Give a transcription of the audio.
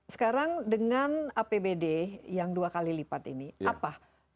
sekarang dengan apbd yang dua kali lipat ini apa